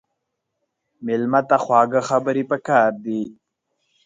مېلمه ته خواږه خبرې پکار دي.